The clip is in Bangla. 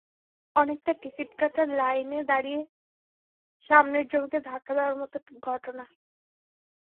অনেকটা টিকিট কাটার লাইনে দাঁড়িয়ে সামনের জনকে ধাক্কা দেওয়ার মতো ঘটনা।